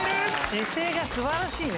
姿勢が素晴らしいね。